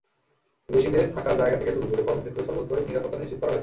বিদেশিদের থাকার জায়গা থেকে শুরু করে কর্মক্ষেত্র সর্বত্রই নিরাপত্তা নিশ্চিত করা হয়েছে।